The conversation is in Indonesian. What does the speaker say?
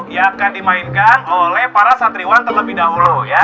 yang akan dimainkan oleh para santriwan terlebih dahulu ya